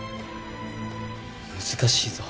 難しいぞ。